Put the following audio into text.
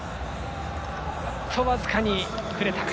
僅かに触れたか。